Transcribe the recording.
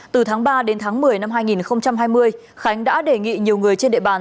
từ tháng ba đến tháng một mươi năm hai nghìn hai mươi khánh đã đề nghị nhiều người trên địa bàn